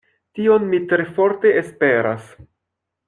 Tion mi tre forte esperas.